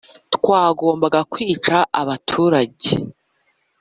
twagombaga kwica abaturage